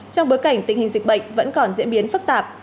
trong bối cảnh tình hình dịch bệnh vẫn còn diễn biến phức tạp